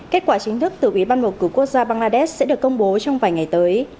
kết quả chính thức từ ủy ban bầu cử quốc gia bangladesh sẽ được công bố trong vài ngày tới